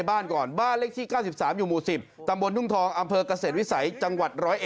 บ้านก่อนบ้านเลขที่๙๓อยู่หมู่๑๐ตำบลทุ่งทองอำเภอกเกษตรวิสัยจังหวัด๑๐๑